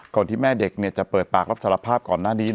ที่แม่เด็กจะเปิดปากรับสารภาพก่อนหน้านี้